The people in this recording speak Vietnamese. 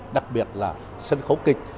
đặc biệt là sân khấu kịch